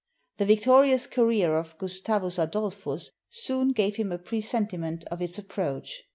The victori ous career of Gustavus Adolphus soon gave him a pre sentiment of its approach.